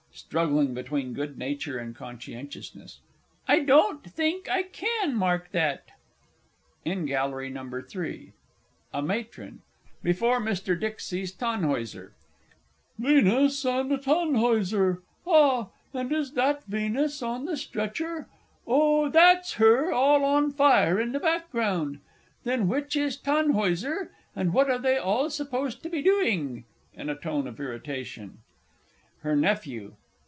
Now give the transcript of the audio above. (Struggling between good nature and conscientiousness.) I don't think I can mark that. IN GALLERY NO. III. A MATRON (before Mr. Dicksee's "Tannhäuser"). "Venus and Tannhäuser" ah, and is that Venus on the stretcher? Oh, that's her all on fire in the background. Then which is Tannhäuser, and what are they all supposed to be doing? [In a tone of irritation. HER NEPHEW.